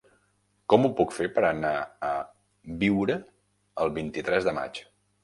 Com ho puc fer per anar a Biure el vint-i-tres de maig?